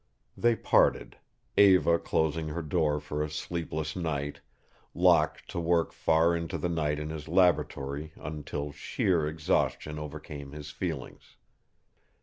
They parted, Eva closing her door for a sleepless night, Locke to work far into the night in his laboratory until sheer exhaustion overcame his feelings.